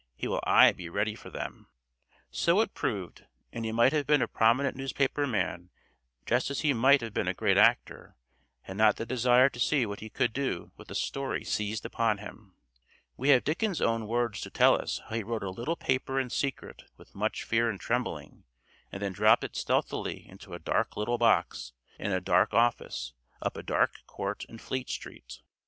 He will aye be ready for them." So it proved, and he might have been a prominent newspaper man just as he might have been a great actor had not the desire to see what he could do with a story seized upon him. We have Dickens' own words to tell us how he wrote a little paper in secret with much fear and trembling, and then dropped it stealthily into "a dark little box, in a dark office, up a dark court in Fleet Street."